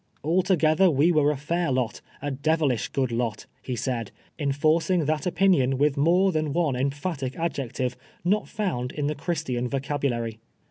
" Altoo ether we M'ere a fair lot — a devilish <» ood lot," lie said, enforc ini;" that oj)inion with more than one emphatic adjec tive not ibnnd in the Christian vocabnlary.